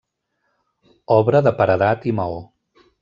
Obra de paredat i maó.